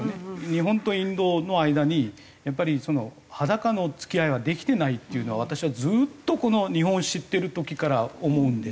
日本とインドの間にやっぱりその裸の付き合いができてないっていうのは私はずっと日本を知ってる時から思うんです。